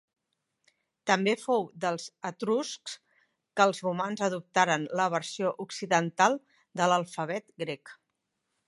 També fou dels etruscs que els romans adoptaren la versió occidental de l'alfabet grec.